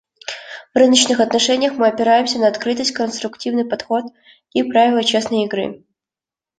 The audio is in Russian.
В рыночных отношениях мы опираемся на открытость, конструктивный подход и правила «честной игры».